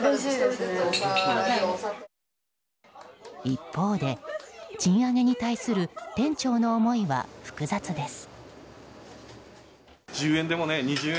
一方で賃上げに対する店長の思いは複雑です。